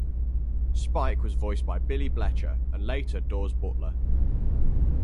Spike was voiced by Billy Bletcher, and later Daws Butler.